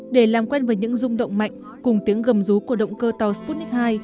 để làm quen với những rung động mạnh cùng tiếng gầm rú của động cơ tàu sputnik hai